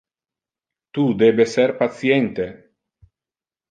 Tu debe ser patiente.